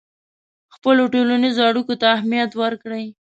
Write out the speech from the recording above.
خپلو ټولنیزو اړیکو ته اهمیت ورکړئ.